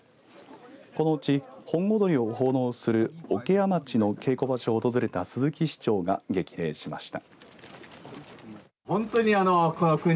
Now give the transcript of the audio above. このうち本踊を奉納する桶屋町の稽古場所を訪れた鈴木市長が激励しました。